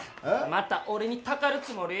また俺にたかるつもり？